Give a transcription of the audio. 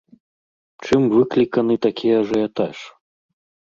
Чым выкліканы такі ажыятаж?